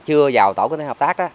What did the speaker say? chưa vào tổ kinh tế hợp tác đó